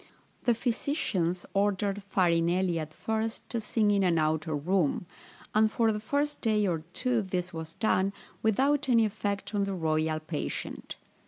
The physicians ordered Farinelli at first to sing in an outer room; and for the first day or two this was done, without any effect, on the royal patient.